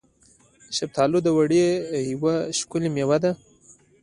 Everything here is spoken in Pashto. شفتالو د اوړي یوه ښکلې میوه ده.